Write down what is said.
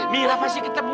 pita pasti ketemu